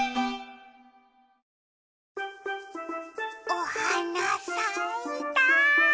おはなさいた。